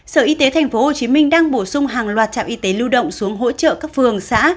sở y tế tp hcm đang bổ sung hàng loạt trạm y tế lưu động xuống hỗ trợ các phường xã